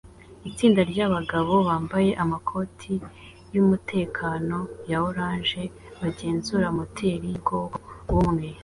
Itsinda ryabagabo bambaye amakoti yumutekano ya orange bagenzura moteri yubwoko bumwe